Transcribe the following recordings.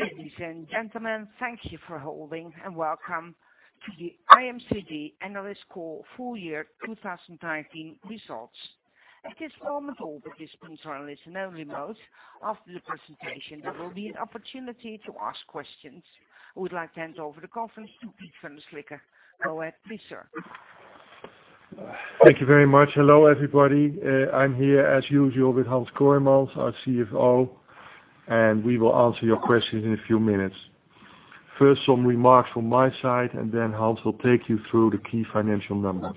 Ladies and gentlemen, thank you for holding and welcome to the IMCD analyst call full year 2019 results. At this moment, all participants are in listen-only mode. After the presentation, there will be an opportunity to ask questions. I would like to hand over the conference to Piet van der Slikke. Go ahead, please, sir. Thank you very much. Hello, everybody. I'm here, as usual, with Hans Kooijmans, our CFO, and we will answer your questions in a few minutes. First, some remarks from my side, then Hans will take you through the key financial numbers.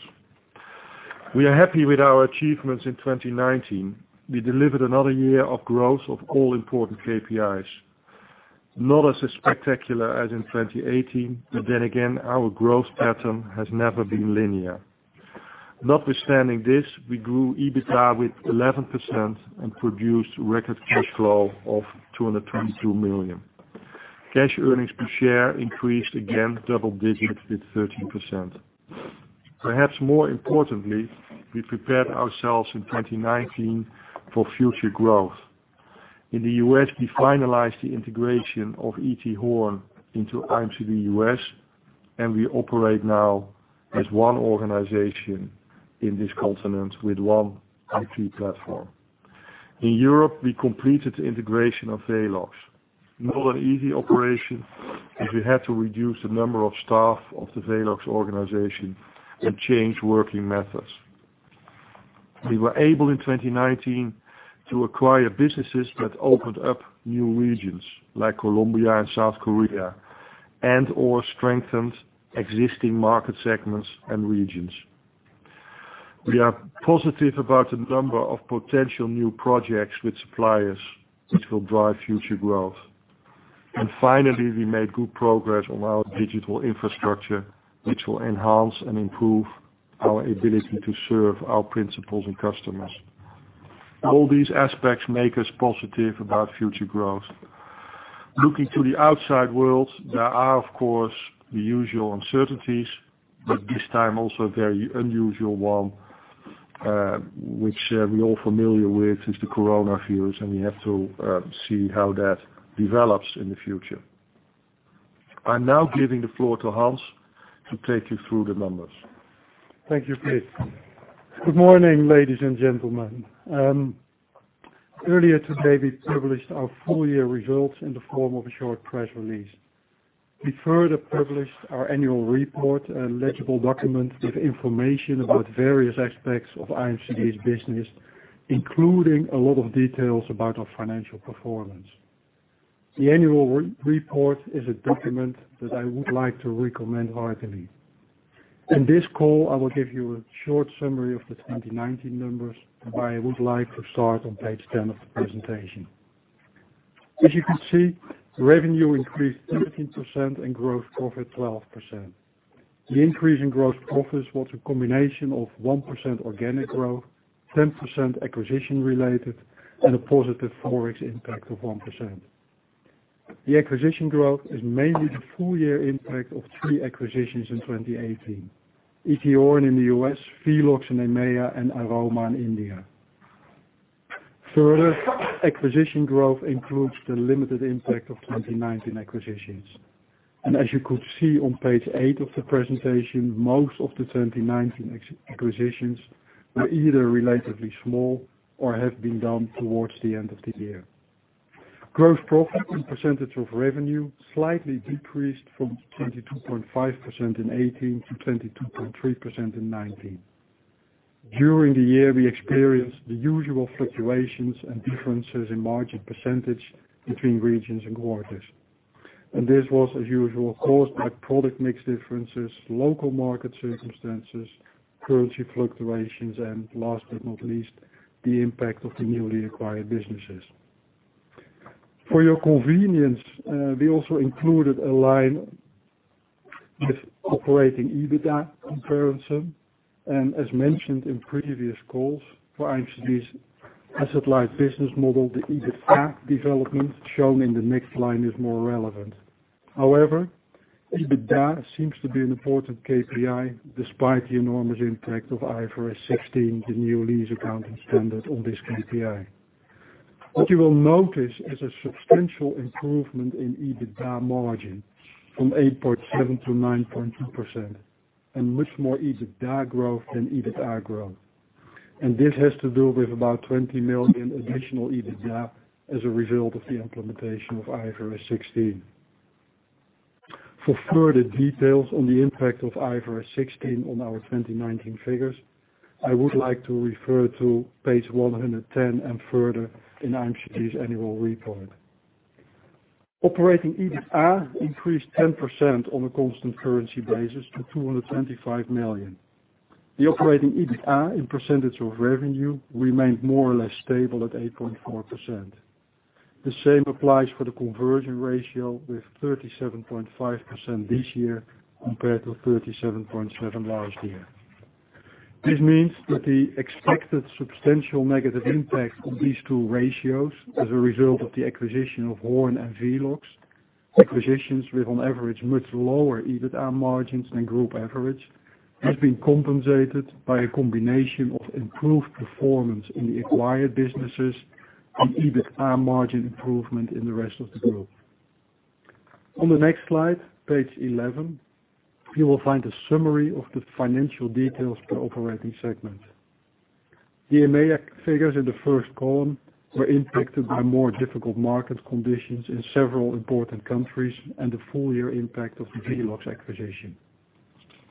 We are happy with our achievements in 2019. We delivered another year of growth of all important KPIs. Not as spectacular as in 2018, then again, our growth pattern has never been linear. Notwithstanding this, we grew EBITDA with 11% and produced record cash flow of 222 million. Cash earnings per share increased again double digits with 13%. Perhaps more importantly, we prepared ourselves in 2019 for future growth. In the U.S., we finalized the integration of E.T. Horn into IMCD U.S., and we operate now as one organization in this continent with one IT platform. In Europe, we completed the integration of Velox. Not an easy operation, as we had to reduce the number of staff of the Velox organization and change working methods. We were able in 2019 to acquire businesses that opened up new regions like Colombia and South Korea and/or strengthened existing market segments and regions. We are positive about the number of potential new projects with suppliers, which will drive future growth. Finally, we made good progress on our digital infrastructure, which will enhance and improve our ability to serve our principals and customers. All these aspects make us positive about future growth. Looking to the outside world, there are, of course, the usual uncertainties, but this time also a very unusual one, which we're all familiar with, is the coronavirus, and we have to see how that develops in the future. I'm now giving the floor to Hans to take you through the numbers. Thank you, Piet. Good morning, ladies and gentlemen. Earlier today, we published our full-year results in the form of a short press release. We further published our annual report and legible document with information about various aspects of IMCD's business, including a lot of details about our financial performance. The annual report is a document that I would like to recommend highly. In this call, I will give you a short summary of the 2019 numbers. I would like to start on page 10 of the presentation. As you can see, revenue increased 17% and gross profit 12%. The increase in gross profits was a combination of 1% organic growth, 10% acquisition-related, and a positive ForEx impact of 1%. The acquisition growth is mainly the full-year impact of three acquisitions in 2018, E.T. Horn in the U.S., Velox in EMEA, and Aroma in India. Further, acquisition growth includes the limited impact of 2019 acquisitions. As you could see on page eight of the presentation, most of the 2019 acquisitions were either relatively small or have been done towards the end of the year. Gross profit and percentage of revenue slightly decreased from 22.5% in 2018 to 22.3% in 2019. During the year, we experienced the usual fluctuations and differences in margin percentage between regions and quarters. This was as usual caused by product mix differences, local market circumstances, currency fluctuations, and last but not least, the impact of the newly acquired businesses. For your convenience, we also included a line with operating EBITDA comparison. As mentioned in previous calls, for IMCD's asset-light business model, the EBITA development shown in the next line is more relevant. EBITDA seems to be an important KPI despite the enormous impact of IFRS 16, the new lease accounting standard on this KPI. What you will notice is a substantial improvement in EBITDA margin from 8.7%-9.2%, and much more EBITDA growth than EBITA growth. This has to do with about 20 million additional EBITDA as a result of the implementation of IFRS 16. For further details on the impact of IFRS 16 on our 2019 figures, I would like to refer to page 110 and further in IMCD's annual report. Operating EBITA increased 10% on a constant currency basis to 225 million. The operating EBITA in percentage of revenue remained more or less stable at 8.4%. The same applies for the conversion ratio with 37.5% this year compared to 37.7% last year. This means that the expected substantial negative impact on these two ratios as a result of the acquisition of Horn and Velox acquisitions with on average much lower EBITDA margins than group average, has been compensated by a combination of improved performance in the acquired businesses and EBITDA margin improvement in the rest of the group. On the next slide, page 11, you will find a summary of the financial details per operating segment. The EMEA figures in the first column were impacted by more difficult market conditions in several important countries and the full year impact of the Velox acquisition.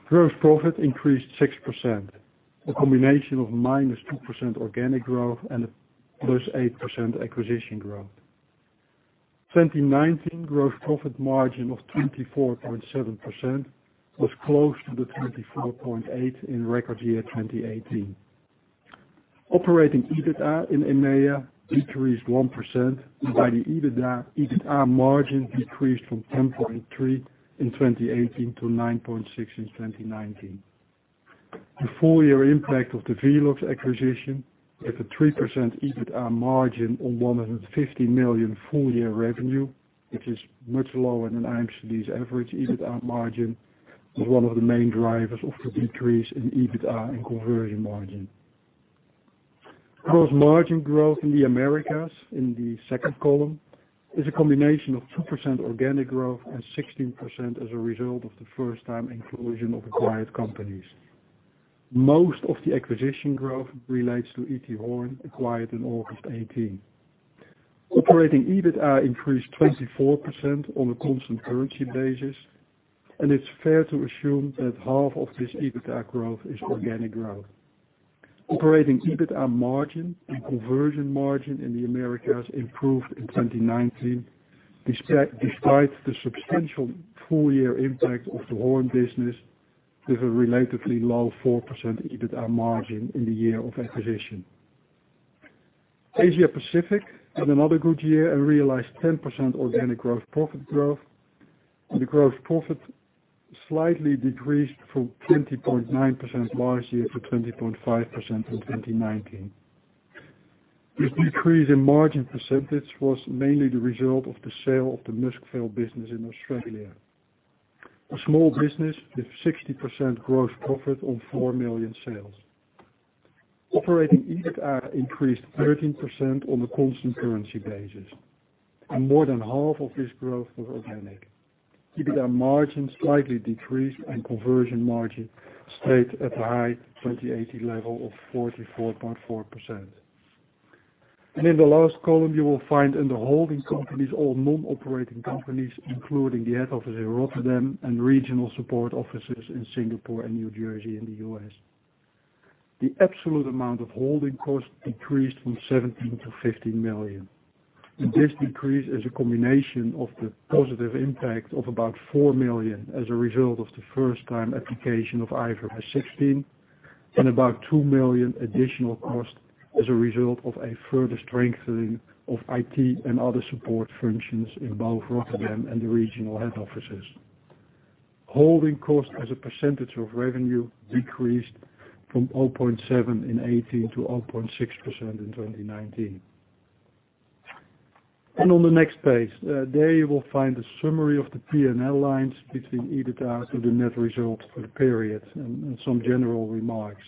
Gross profit increased 6%, a combination of -2% organic growth and a +8% acquisition growth. 2019 growth profit margin of 24.7% was close to the 24.8% in record year 2018. Operating EBITDA in EMEA decreased 1% and the EBITDA margin decreased from 10.3% in 2018 to 9.6% in 2019. The full year impact of the Velox acquisition, with a 3% EBITDA margin on 150 million full year revenue, which is much lower than IMCD's average EBITDA margin, was one of the main drivers of the decrease in EBITDA and conversion margin. Gross margin growth in the Americas, in the second column, is a combination of 2% organic growth and 16% as a result of the first time inclusion of acquired companies. Most of the acquisition growth relates to E.T. Horn, acquired in August 2018. Operating EBITDA increased 24% on a constant currency basis, and it's fair to assume that half of this EBITDA growth is organic growth. Operating EBITDA margin and conversion margin in the Americas improved in 2019, despite the substantial full year impact of the Horn business, with a relatively low 4% EBITDA margin in the year of acquisition. Asia Pacific had another good year and realized 10% organic gross profit growth. The gross profit slightly decreased from 20.9% last year to 20.5% in 2019. This decrease in margin percentage was mainly the result of the sale of the Muskvale business in Australia. A small business with 60% gross profit on 4 million sales. Operating EBITDA increased 13% on a constant currency basis, and more than half of this growth was organic. EBITDA margins slightly decreased and conversion margin stayed at the high 2018 level of 44.4%. In the last column you will find in the holding companies, all non-operating companies, including the head office in Rotterdam and regional support offices in Singapore and New Jersey in the U.S. The absolute amount of holding costs decreased from 17 million to 15 million. This decrease is a combination of the positive impact of about 4 million as a result of the first time application of IFRS 16, and about 2 million additional cost as a result of a further strengthening of IT and other support functions in both Rotterdam and the regional head offices. Holding cost as a percentage of revenue decreased from 0.7% in 2018 to 0.6% in 2019. On the next page, there you will find a summary of the P&L lines between EBITDA to the net results for the period and some general remarks.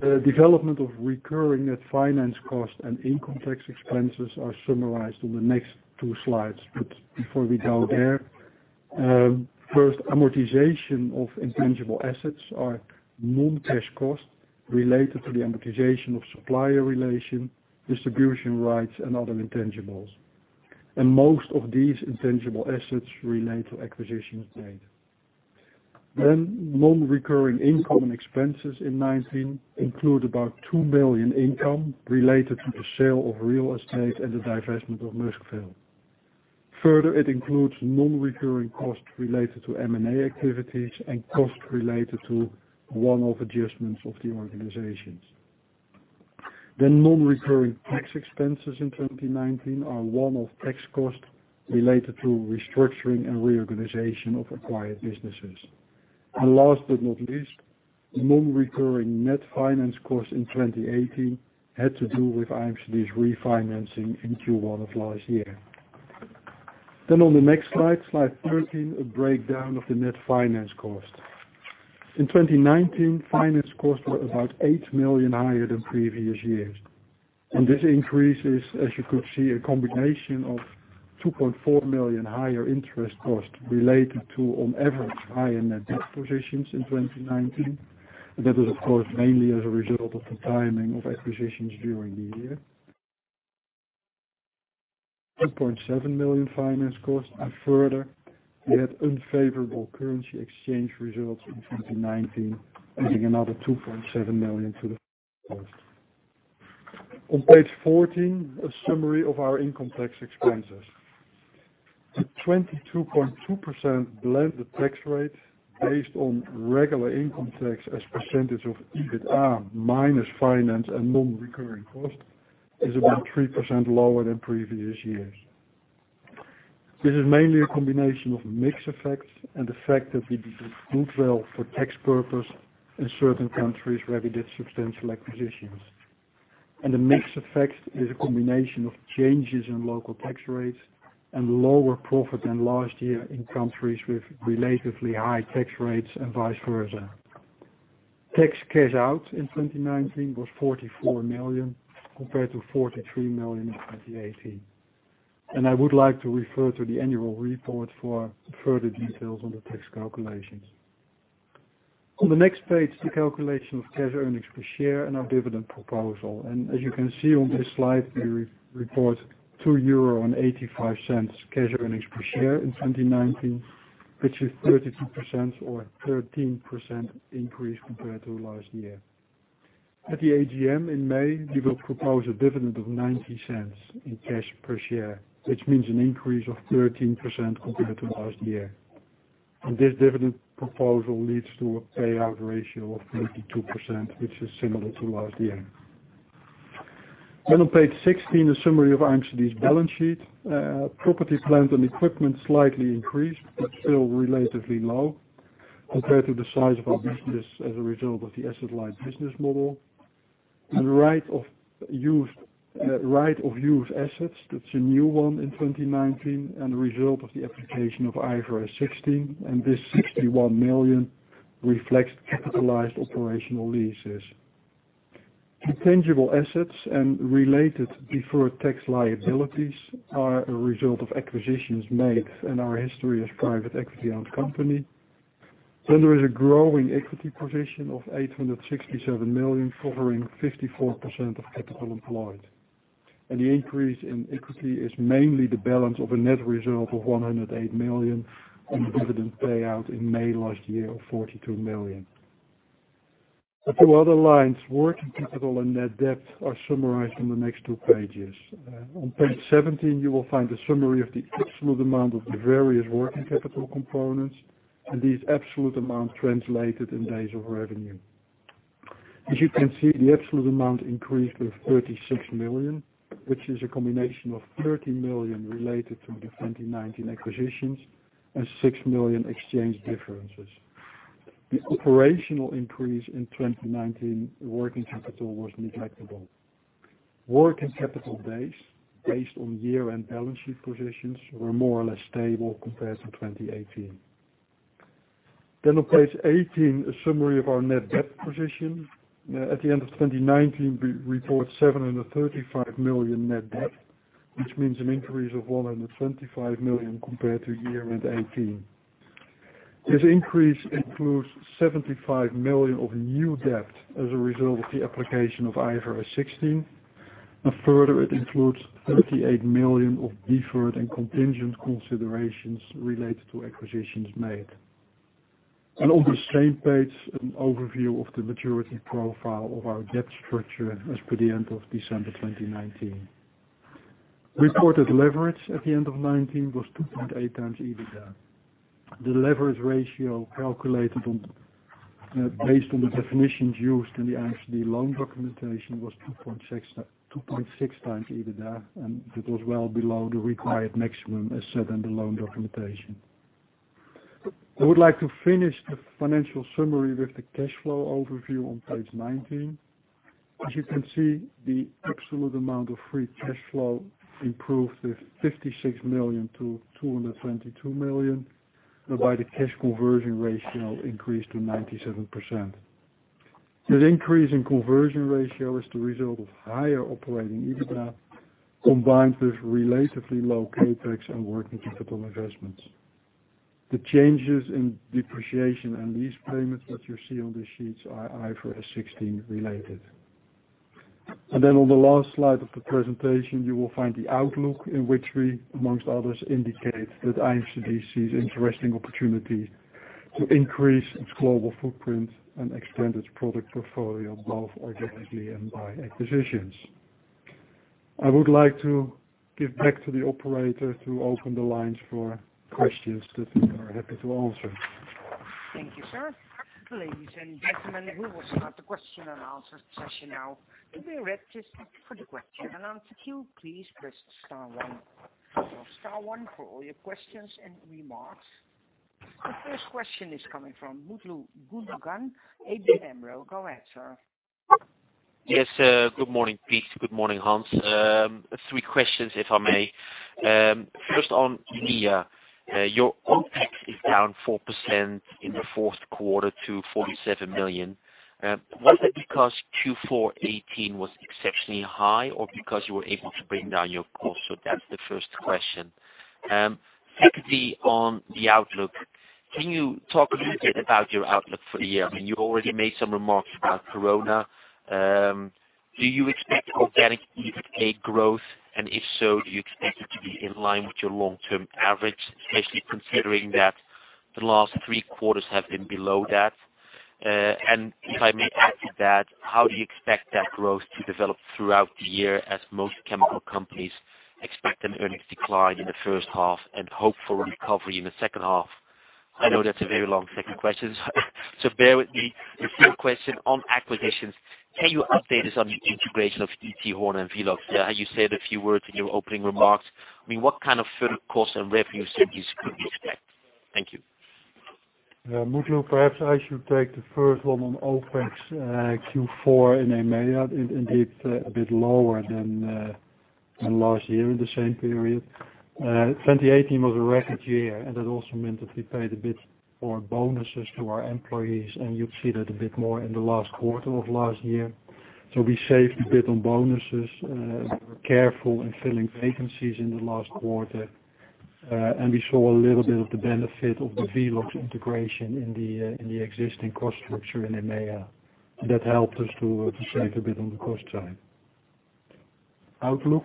The development of recurring net finance cost and income tax expenses are summarized on the next two slides. Before we go there, first, amortization of intangible assets are non-cash costs related to the amortization of supplier relation, distribution rights and other intangibles. Most of these intangible assets relate to acquisitions made. Non-recurring income and expenses in 2019 include about 2 million income related to the sale of real estate and the divestment of Muskvale. Further, it includes non-recurring costs related to M&A activities and costs related to one-off adjustments of the organizations. Non-recurring tax expenses in 2019 are one-off tax costs related to restructuring and reorganization of acquired businesses. Last but not least, non-recurring net finance costs in 2018 had to do with IMCD's refinancing in Q1 of last year. On the next slide 13, a breakdown of the net finance cost. In 2019, finance costs were about 8 million higher than previous years. This increase is, as you could see, a combination of 2.4 million higher interest costs related to on average higher net debt positions in 2019. That is, of course, mainly as a result of the timing of acquisitions during the year. EUR 2.7 million finance costs are further yet unfavorable currency exchange results in 2019, adding another 2.7 million to the cost. On page 14, a summary of our income tax expenses. The 22.2% blended tax rate based on regular income tax as percentage of EBITDA minus finance and non-recurring costs, is about 3% lower than previous years. This is mainly a combination of mix effects and the fact that we did well for tax purpose in certain countries where we did substantial acquisitions. The mix effect is a combination of changes in local tax rates and lower profit than last year in countries with relatively high tax rates and vice versa. Tax cash out in 2019 was 44 million, compared to 43 million in 2018. I would like to refer to the annual report for further details on the tax calculations. On the next page, the calculation of cash earnings per share and our dividend proposal. As you can see on this slide, we report 2.85 euro cash earnings per share in 2019, which is 0.32 or a 13% increase compared to last year. At the AGM in May, we will propose a dividend of 0.90 in cash per share, which means an increase of 13% compared to last year. This dividend proposal leads to a payout ratio of 82%, which is similar to last year. On page 16, a summary of IMCD's balance sheet. Property, plant and equipment slightly increased, but still relatively low compared to the size of our business as a result of the asset-light business model. Right of use assets, that's a new one in 2019 and a result of the application of IFRS 16, and this 61 million reflects capitalized operational leases. Intangible assets and related deferred tax liabilities are a result of acquisitions made in our history as private equity-owned company. There is a growing equity position of 867 million, covering 54% of capital employed. The increase in equity is mainly the balance of a net reserve of 108 million on the dividend payout in May last year of 42 million. A few other lines, working capital and net debt, are summarized on the next two pages. On page 17, you will find a summary of the absolute amount of the various working capital components and these absolute amounts translated in days of revenue. You can see, the absolute amount increased with 36 million, which is a combination of 30 million related to the 2019 acquisitions and 6 million exchange differences. The operational increase in 2019 working capital was negligible. Working capital days based on year-end balance sheet positions were more or less stable compared to 2018. On page 18, a summary of our net debt position. At the end of 2019, we report 735 million net debt, which means an increase of 125 million compared to year-end 2018. This increase includes 75 million of new debt as a result of the application of IFRS 16, further it includes 38 million of deferred and contingent considerations related to acquisitions made. On the same page, an overview of the maturity profile of our debt structure as per the end of December 2019. Reported leverage at the end of 2019 was 2.8x EBITDA. The leverage ratio calculated based on the definitions used in the IMCD loan documentation was 2.6x EBITDA, it was well below the required maximum as set in the loan documentation. I would like to finish the financial summary with the cash flow overview on page 19. As you can see, the absolute amount of free cash flow improved with 56 million-222 million, whereby the cash conversion ratio increased to 97%. This increase in conversion ratio is the result of higher operating EBITDA combined with relatively low CapEx and working capital investments. The changes in depreciation and lease payments that you see on these sheets are IFRS 16 related. On the last slide of the presentation, you will find the outlook in which we, amongst others, indicate that IMCD sees interesting opportunity to increase its global footprint and extend its product portfolio, both organically and by acquisitions. I would like to give back to the operator to open the lines for questions that we are happy to answer. Thank you, sir. Ladies and gentlemen, we will start the question-and-answer session now. If you would like to speak for the question and answer queue, please press star one. Star one for all your questions and remarks. The first question is coming from Mutlu Gundogan, ABN AMRO. Go ahead, sir. Good morning, Piet. Good morning, Hans. Three questions, if I may. On EMEA. Your OpEx is down 4% in the fourth quarter to 47 million. Was it because Q4 2018 was exceptionally high or because you were able to bring down your costs? That's the first question. On the outlook, can you talk a little bit about your outlook for the year? I mean, you already made some remarks about coronavirus. Do you expect organic EBITDA growth, and if so, do you expect it to be in line with your long-term average, especially considering that the last three quarters have been below that? If I may add to that, how do you expect that growth to develop throughout the year, as most chemical companies expect an earnings decline in the first half and hope for a recovery in the second half? I know that's a very long second question so bear with me. The third question on acquisitions. Can you update us on the integration of E.T. Horn and Velox? You said a few words in your opening remarks. What kind of further costs and revenues could we expect? Thank you. Yeah, Mutlu, perhaps I should take the first one on OpEx Q4 in EMEA. A bit lower than last year in the same period. 2018 was a record year, and that also meant that we paid a bit more bonuses to our employees, and you'd see that a bit more in the last quarter of last year. We saved a bit on bonuses. We were careful in filling vacancies in the last quarter. We saw a little bit of the benefit of the Velox integration in the existing cost structure in EMEA. That helped us to save a bit on the cost side. Outlook?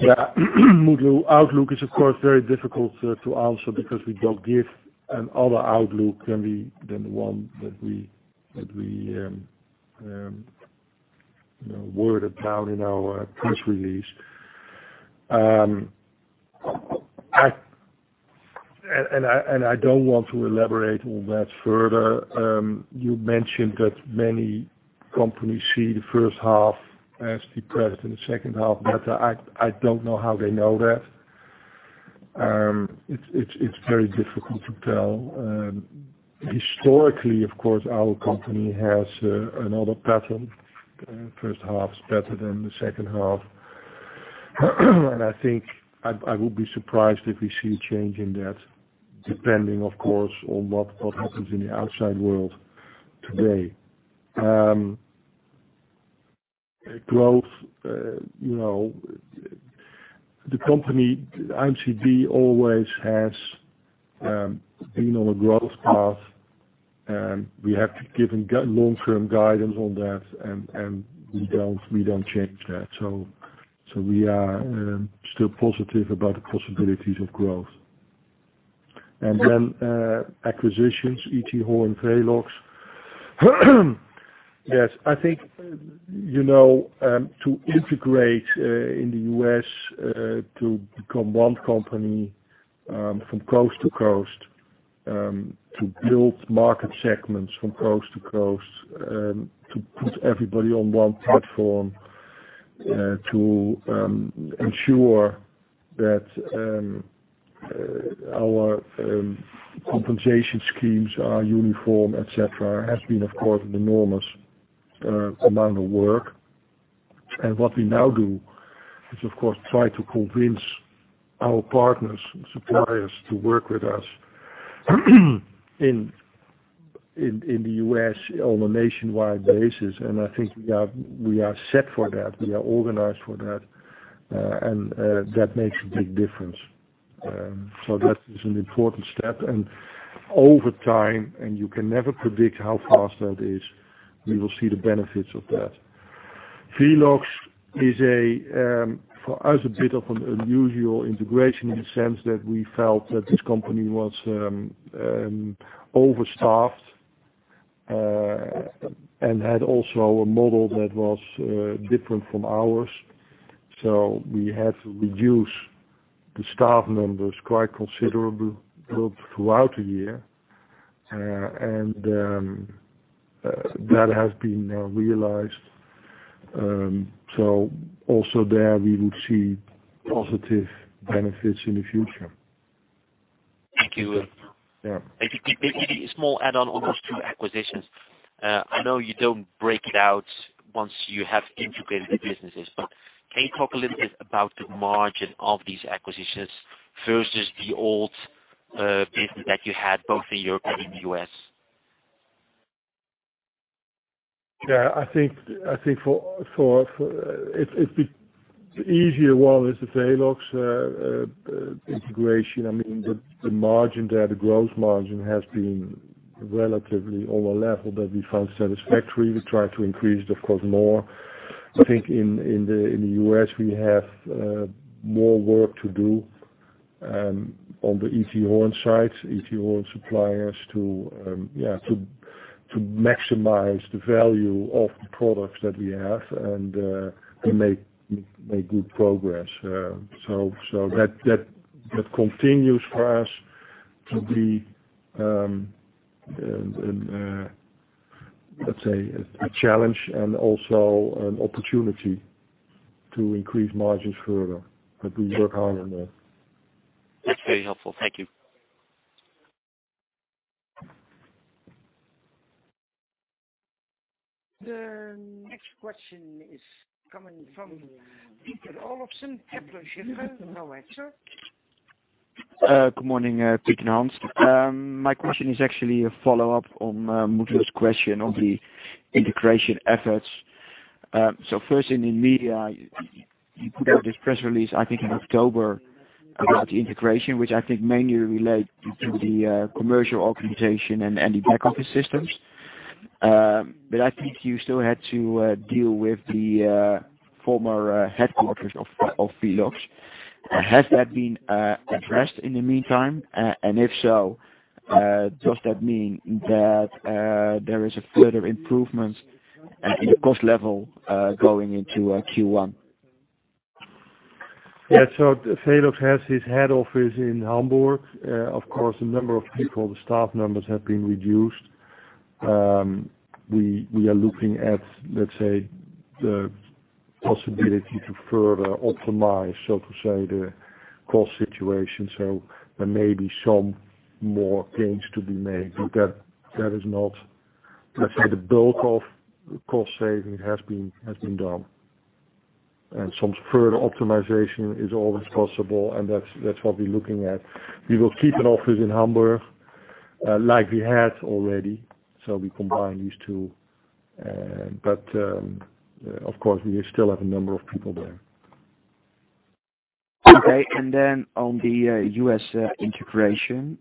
Yeah. Mutlu, outlook is, of course, very difficult to answer because we don't give another outlook than the one that we worded out in our press release. I don't want to elaborate on that further. You mentioned that many companies see the first half as depressed in the second half, but I don't know how they know that. It's very difficult to tell. Historically, of course, our company has another pattern. First half's better than the second half. I think I would be surprised if we see a change in that, depending, of course, on what happens in the outside world today. Growth. The company, IMCD, always has been on a growth path. We have to give long-term guidance on that, and we don't change that. We are still positive about the possibilities of growth. Acquisitions, E.T. Horn, Velox. Yes, I think, to integrate, in the U.S., to become one company from coast to coast, to build market segments from coast to coast, to put everybody on one platform, to ensure that our compensation schemes are uniform, et cetera, has been, of course, an enormous amount of work. What we now do is, of course, try to convince our partners and suppliers to work with us in the U.S. on a nationwide basis. I think we are set for that. We are organized for that. That makes a big difference. That is an important step. Over time, and you can never predict how fast that is, we will see the benefits of that. Velox is, for us, a bit of an unusual integration in the sense that we felt that this company was overstaffed, and had also a model that was different from ours. We had to reduce the staff numbers quite considerably throughout the year, and that has been now realized. Also there, we will see positive benefits in the future. Thank you. Yeah. Maybe a small add-on on those two acquisitions. I know you don't break it out once you have integrated the businesses, can you talk a little bit about the margin of these acquisitions versus the old business that you had both in Europe and in the U.S.? I think the easier one is the Velox integration. The margin there, the gross margin, has been relatively on a level that we found satisfactory. We try to increase it, of course, more. I think in the U.S., we have more work to do on the E.T. Horn side, E.T. Horn suppliers to maximize the value of the products that we have and make good progress. That continues for us to be, let's say, a challenge and also an opportunity to increase margins further. We work hard on that. That's very helpful. Thank you. The next question is coming from Peter Olofsen, Kepler Cheuvreux. No answer. Good morning, Piet and Hans. My question is actually a follow-up on Mutlu's question on the integration efforts. First in the media, you put out this press release, I think in October, about the integration, which I think mainly relate to the commercial organization and the back-office systems. I think you still had to deal with the former headquarters of Velox. Has that been addressed in the meantime, and if so, does that mean that there is a further improvement in the cost level, going into Q1? Yeah. Velox has its head office in Hamburg. Of course, the number of people, the staff numbers have been reduced. We are looking at, let's say, the possibility to further optimize, so to say, the cost situation. There may be some more gains to be made, but let's say the bulk of cost saving has been done. Some further optimization is always possible and that's what we're looking at. We will keep an office in Hamburg, like we had already. We combine these two. Of course, we still have a number of people there. On the U.S. integration,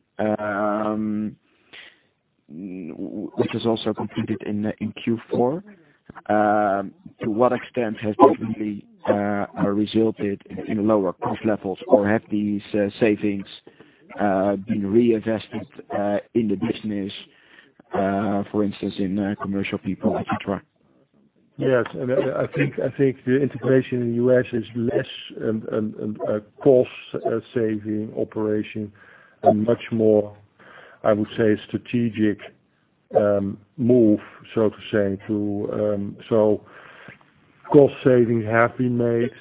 which is also completed in Q4, to what extent has that really resulted in lower cost levels, or have these savings been reinvested in the business, for instance, in commercial people, et cetera? Yes. I think the integration in U.S. is less a cost-saving operation and much more, I would say, a strategic move, so to say. Cost savings have been made,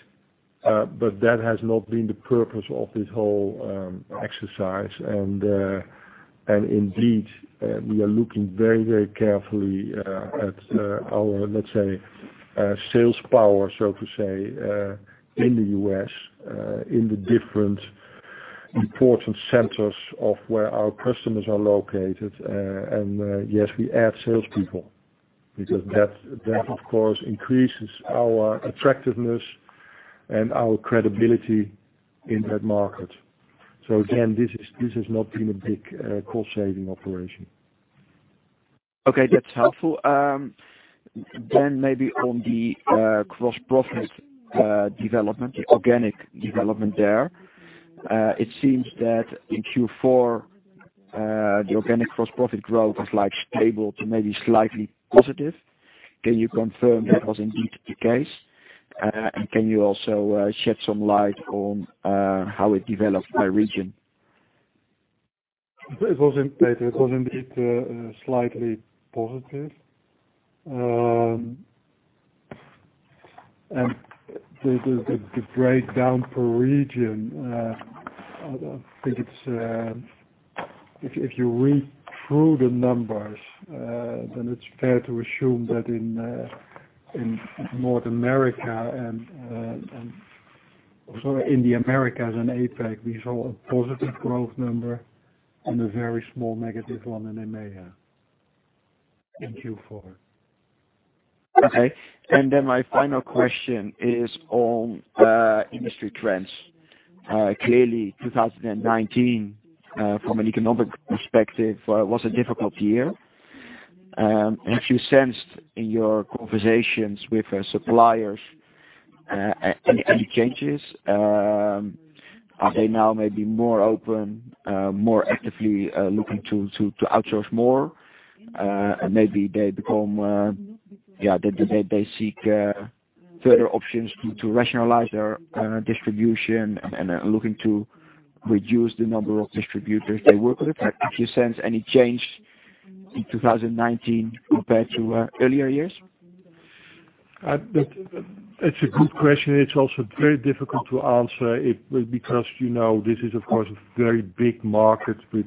but that has not been the purpose of this whole exercise. Indeed, we are looking very carefully at our, let's say, sales power, so to say, in the U.S., in the different important centers of where our customers are located. Yes, we add salespeople because that, of course, increases our attractiveness and our credibility in that market. Again, this has not been a big cost-saving operation. Okay, that's helpful. Maybe on the gross profit development, the organic development there. It seems that in Q4, the organic gross profit growth is stable to maybe slightly positive. Can you confirm that was indeed the case? Can you also shed some light on how it developed by region? It was indeed slightly positive. The breakdown per region, I think if you read through the numbers, then it's fair to assume that in North America and also in the Americas and APAC, we saw a positive growth number and a very small negative one in EMEA in Q4. Okay. My final question is on industry trends. Clearly, 2019, from an economic perspective, was a difficult year. Have you sensed in your conversations with suppliers any changes? Are they now maybe more open, more actively looking to outsource more? Maybe they seek further options to rationalize their distribution and are looking to reduce the number of distributors they work with. Have you sensed any change in 2019 compared to earlier years? It's a good question. It's also very difficult to answer it because this is, of course, a very big market with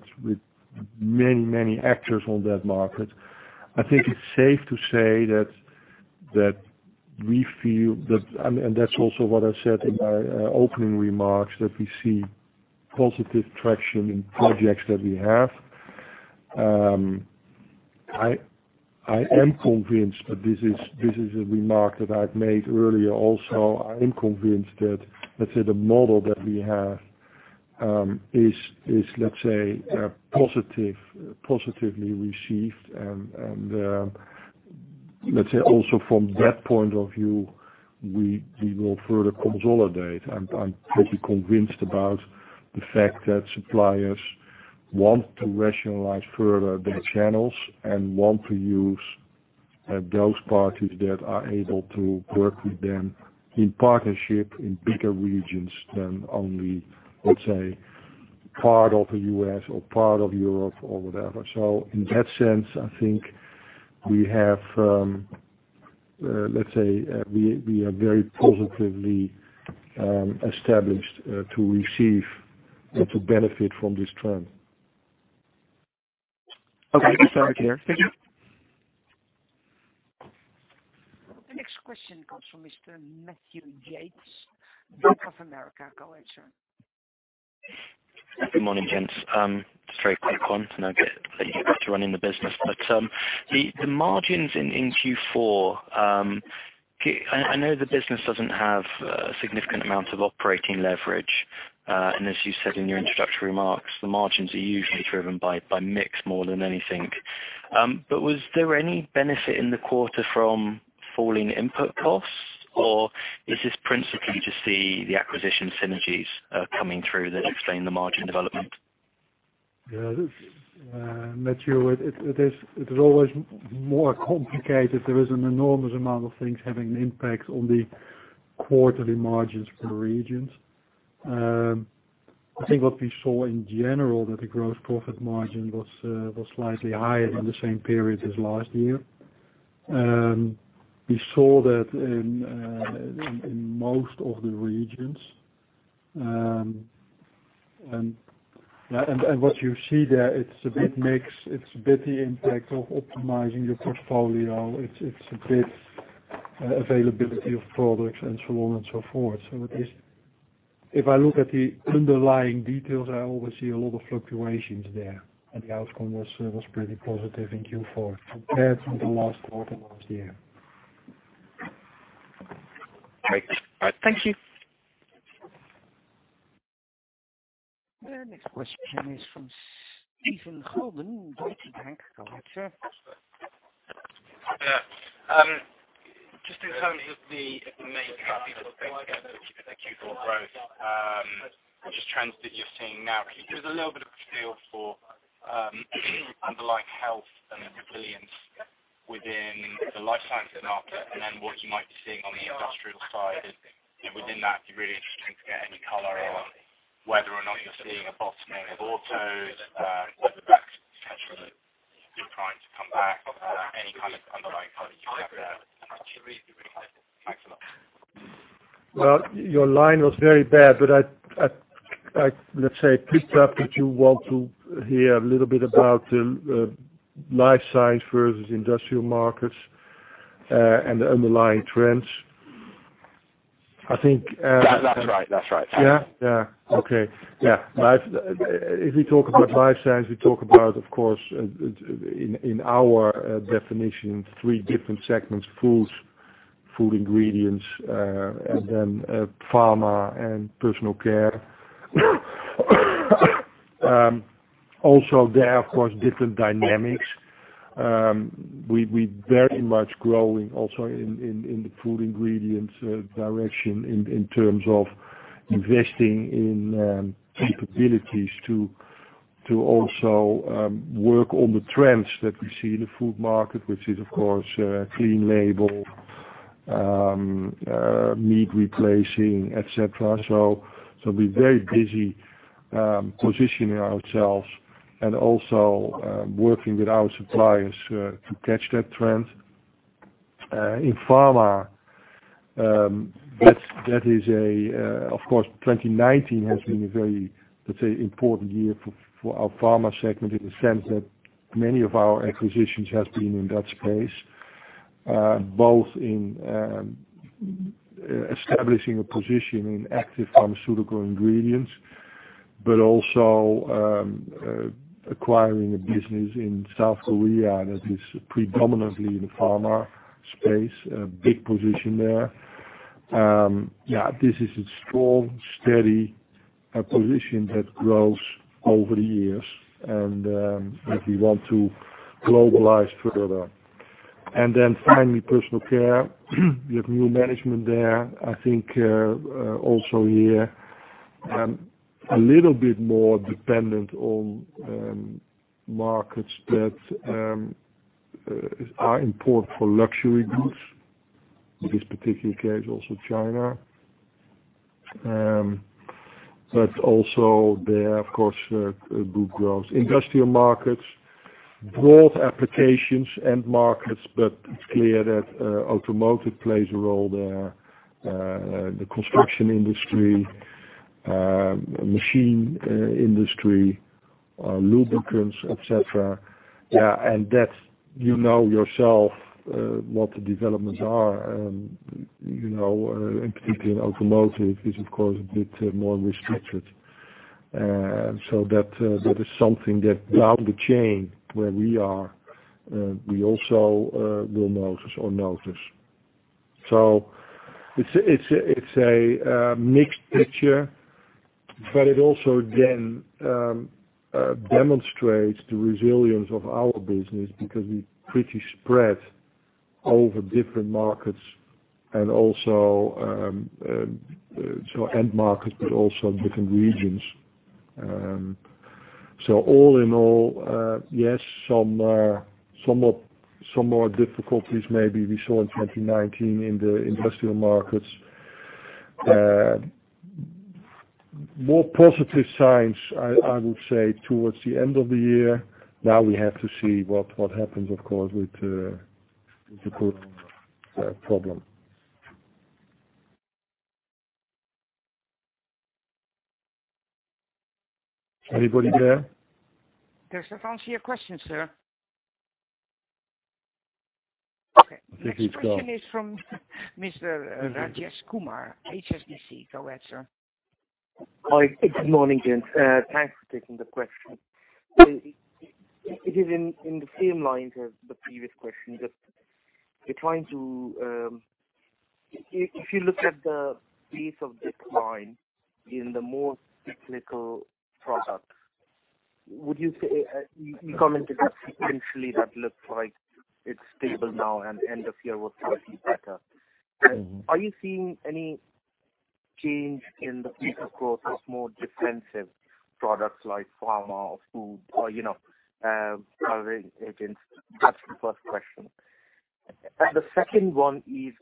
many actors on that market. I think it's safe to say that, and that's also what I said in my opening remarks, that we see positive traction in projects that we have. I am convinced, but this is a remark that I've made earlier also. I am convinced that, let's say, the model that we have is positively received and, let's say, also from that point of view, we will further consolidate. I'm pretty convinced about the fact that suppliers want to rationalize further their channels and want to use those parties that are able to work with them in partnership in bigger regions than only, let's say, part of the U.S. or part of Europe or whatever. In that sense, I think we are very positively established to receive or to benefit from this trend. Okay. Thanks very much. The next question comes from Mr. Matthew Yates, Bank of America, Go ahead, sir. Good morning, gents. Get you back to running the business. The margins in Q4, I know the business doesn't have a significant amount of operating leverage. As you said in your introductory remarks, the margins are usually driven by mix more than anything. Was there any benefit in the quarter from falling input costs, or is this principally to see the acquisition synergies coming through that explain the margin development? Yeah. Matthew, it is always more complicated. There is an enormous amount of things having an impact on the quarterly margins per regions. I think what we saw in general, that the gross profit margin was slightly higher than the same period as last year. We saw that in most of the regions. What you see there, it's a bit mix. It's a bit the impact of optimizing your portfolio. It's a bit availability of products and so on and so forth. If I look at the underlying details, I always see a lot of fluctuations there, and the outcome was pretty positive in Q4 compared to the last quarter last year. Great. Thank you. The next question is from [Stephan Holben], Deutsche Bank. Go ahead, sir. Just in terms of the main Q4 growth, or just trends that you're seeing now, could you give us a little bit of a feel for underlying health and the resilience within the life science and API, and then what you might be seeing on the industrial side? Within that, it'd be really interesting to get any color on whether or not you're seeing a bottoming of autos, whether that's potentially prime to come back. Any kind of underlying color you have there. Thanks a lot. Well, your line was very bad, but let's say I picked up that you want to hear a little bit about the life science versus industrial markets, and the underlying trends. That's right. Yeah. Okay. If we talk about life science, we talk about, of course, in our definition, three different segments, foods, food ingredients, and then pharma and personal care. There, of course, different dynamics. We very much growing also in the food ingredients direction in terms of investing in capabilities to also work on the trends that we see in the food market, which is, of course, clean label, meat replacing, et cetera. We're very busy positioning ourselves and also working with our suppliers to catch that trend. In pharma, of course, 2019 has been a very important year for our pharma segment in the sense that many of our acquisitions have been in that space, both in establishing a position in active pharmaceutical ingredients, but also acquiring a business in South Korea that is predominantly in the pharma space, a big position there. This is a strong, steady position that grows over the years, and that we want to globalize further. Finally, personal care. We have new management there, I think, also here. A little bit more dependent on markets that are important for luxury goods. In this particular case, also China. Also, there, of course, a good growth. Industrial markets, broad applications end markets, but it's clear that automotive plays a role there. The construction industry, machine industry, lubricants, et cetera. You know yourself what the developments are, and particularly in automotive, is of course a bit more restricted. That is something that down the chain where we are, we also will notice or notice. It's a mixed picture, but it also then demonstrates the resilience of our business because we pretty spread over different markets, end markets, but also different regions. All in all, yes, some more difficulties maybe we saw in 2019 in the industrial markets. More positive signs, I would say, towards the end of the year. Now we have to see what happens, of course, with the COVID problem. Anybody there? Does that answer your question, sir? Okay. I think it does. Next question is from Mr. Rajesh Kumar, HSBC. Go ahead, sir. Hi, good morning, gents. Thanks for taking the question. It is in the same lines as the previous question. If you look at the pace of decline in the more technical products, you commented that sequentially that looks like it's stable now and end of year was slightly better. Are you seeing any change in the pace of growth as more defensive products like pharma or food or other agents? That's the first question. The second one is: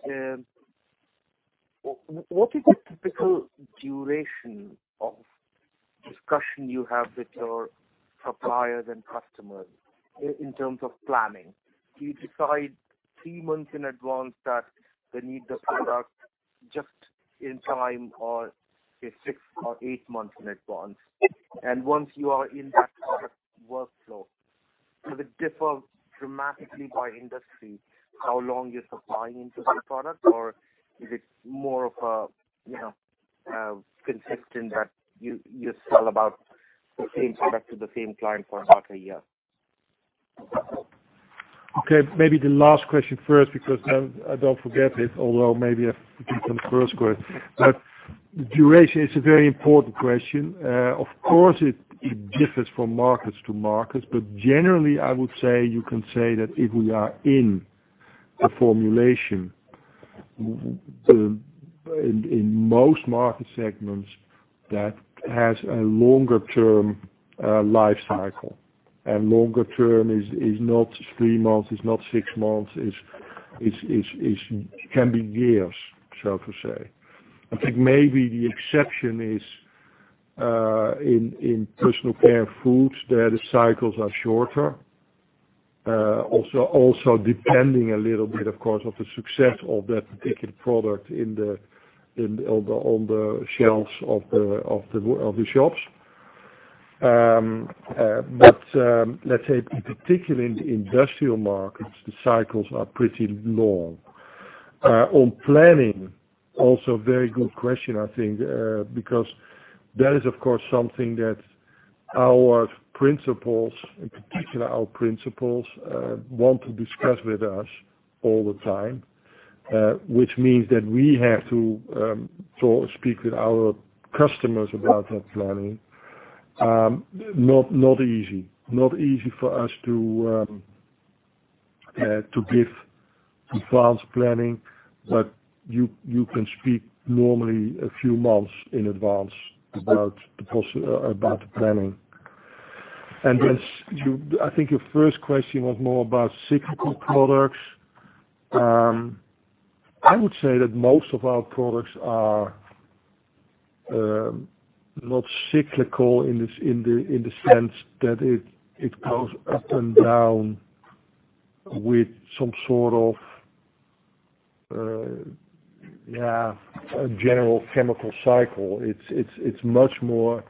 What is the typical duration of discussion you have with your suppliers and customers in terms of planning? Do you decide three months in advance that they need the product just in time, or say, six or eight months in advance? Once you are in that product workflow, does it differ dramatically by industry, how long you're supplying into the product, or is it more of a consistent that you sell about the same product to the same client for about one year? Okay. Maybe the last question first, because then I don't forget it, although maybe it should be the first question. Duration is a very important question. Of course, it differs from markets to markets, but generally, I would say you can say that if we are in a formulation, in most market segments, that has a longer-term life cycle. Longer-term is not three months, is not six months. It can be years, so to say. I think maybe the exception is in personal care foods, there, the cycles are shorter. Also depending a little bit, of course, on the success of that particular product on the shelves of the shops. Let's say particularly in the industrial markets, the cycles are pretty long. On planning, also a very good question, I think, because that is, of course, something that our principals, in particular, our principals want to discuss with us all the time, which means that we have to speak with our customers about that planning. You can speak normally a few months in advance about the planning. I think your first question was more about cyclical products. I would say that most of our products are not cyclical in the sense that it goes up and down with some sort of general chemical cycle. It's much more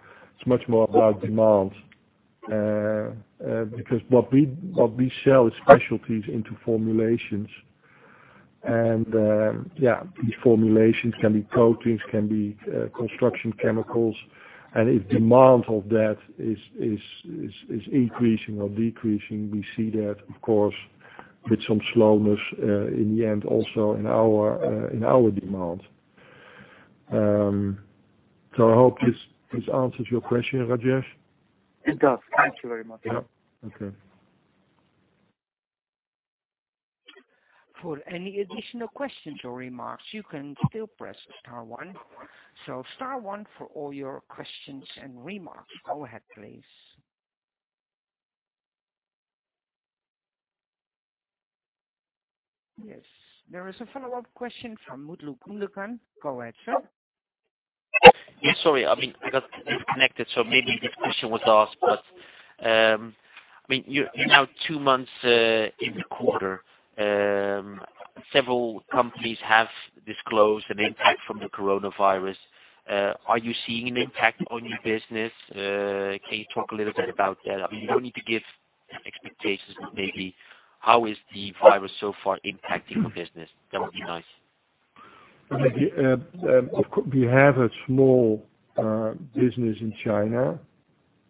about demand, because what we sell is specialties into formulations and, yeah, these formulations can be proteins, can be construction chemicals. If demand of that is increasing or decreasing, we see that, of course, with some slowness in the end, also in our demand. I hope this answers your question, Rajesh. It does. Thank you very much. Yeah. Okay. For any additional questions or remarks, you can still press star one. Star one for all your questions and remarks. Go ahead, please. Yes, there is a follow-up question from Mutlu Gundogan. Go ahead, sir. Sorry. I got disconnected, so maybe this question was asked, but you're now two months in the quarter. Several companies have disclosed an impact from the coronavirus. Are you seeing an impact on your business? Can you talk a little bit about that? You don't need to give expectations, but maybe how is the virus so far impacting your business? That would be nice. We have a small business in China,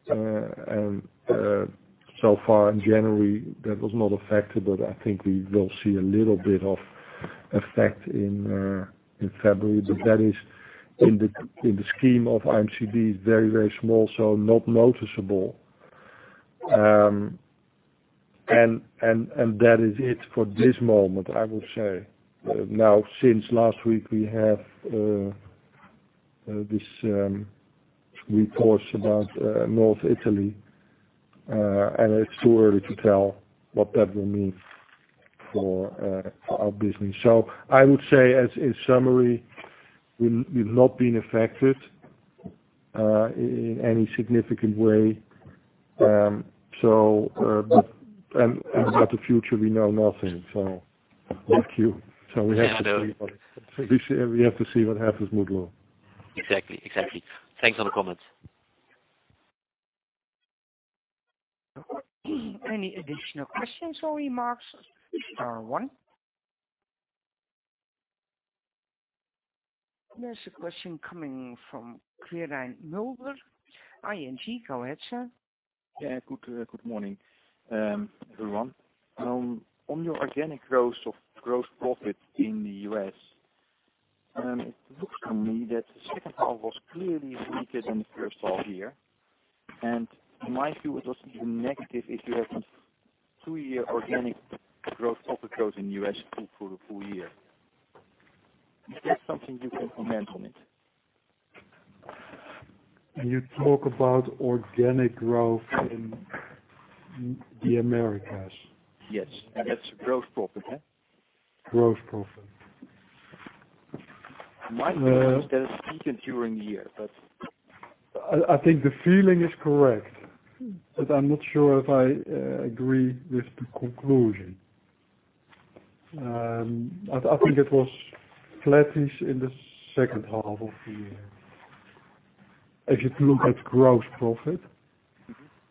and so far in January, that was not affected, but I think we will see a little bit of effect in February. That is in the scheme of IMCD, very small, so not noticeable. That is it for this moment, I will say. Since last week, we have this report about North Italy, and it's too early to tell what that will mean for our business. I would say, as a summary, we've not been affected in any significant way. About the future, we know nothing. Thank you. Yeah. No, no. This year, we have to see what happens, Mutlu. Exactly. Thanks for the comments. Any additional questions or remarks, star one. There's a question coming from Quirijn Mulder, ING. Go ahead, sir. Good morning, everyone. On your organic growth of gross profit in the U.S., it looks to me that the second half was clearly weaker than the first half year. In my view, it was even negative if you had a two-year organic growth, proper growth in U.S. for the full year. Is that something you can comment on it? You talk about organic growth in the Americas. Yes. That's gross profit, yeah? Gross profit. My feeling is that it's weakened during the year. I think the feeling is correct, but I'm not sure if I agree with the conclusion. I think it was flattish in the second half of the year. If you look at gross profit,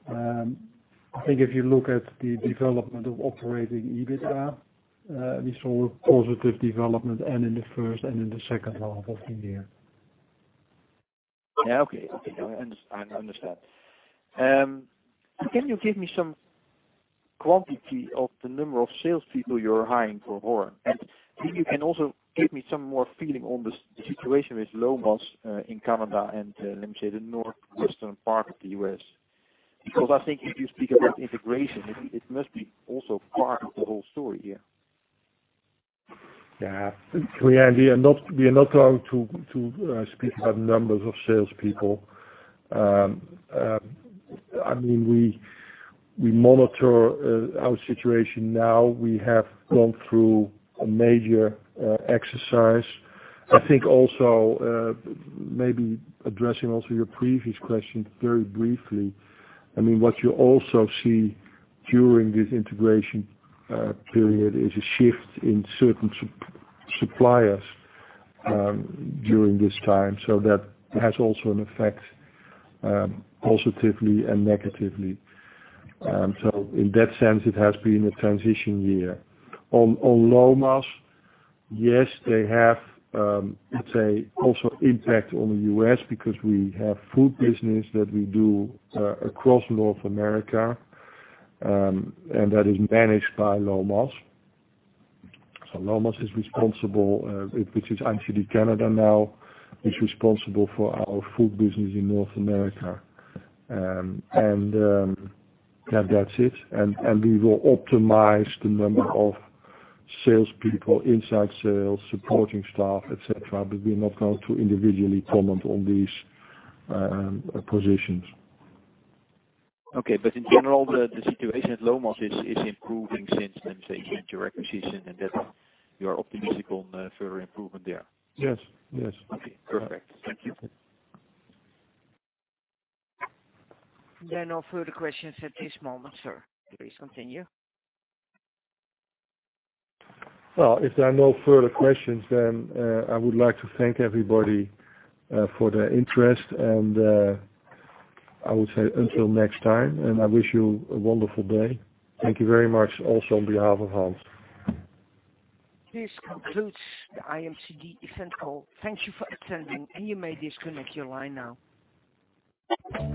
I think if you look at the development of operating EBITDA, we saw positive development and in the first and in the second half of the year. Yeah. Okay. I understand. Can you give me some quantity of the number of salespeople you're hiring for Horn? Can you also give me some more feeling on the situation with Lomas in Canada and, let me say, the northwestern part of the U.S.? I think if you speak about integration, it must be also part of the whole story here. Yeah. We are not going to speak about numbers of salespeople. We monitor our situation now. We have gone through a major exercise. I think also, maybe addressing also your previous question very briefly. What you also see during this integration period is a shift in certain suppliers during this time. That has also an effect, positively and negatively. In that sense, it has been a transition year. On Lomas, yes, they have, let's say, also impact on the U.S. because we have food business that we do across North America, and that is managed by Lomas. Lomas, which is IMCD Canada now, is responsible for our food business in North America. That's it. We will optimize the number of salespeople, inside sales, supporting staff, et cetera, but we're not going to individually comment on these positions. Okay. In general, the situation at Lomas is improving since, let me say, since your acquisition and that you are optimistic on further improvement there. Yes. Okay, perfect. Thank you. There are no further questions at this moment, sir. Please continue. Well, if there are no further questions, then I would like to thank everybody for their interest and I would say until next time, and I wish you a wonderful day. Thank you very much also on behalf of Hans. This concludes the IMCD essential. Thank you for attending. You may disconnect your line now.